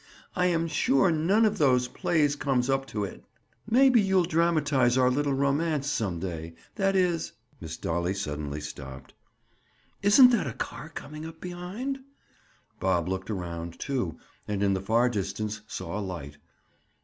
I am sure none of those plays comes up to it. Maybe you'll dramatize our little romance some day—that is—" Miss Dolly suddenly stopped. "Isn't that a car coming up behind?" Bob looked around, too, and in the far distance saw a light.